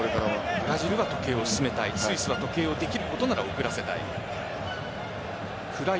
ブラジルは時計を進めたいスイスはできれば時計を遅らせたい。